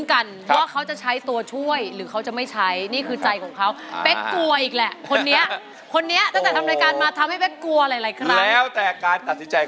กำลังฮึดอยู่ค่ะกำลังร่วมรวมพลังภายใน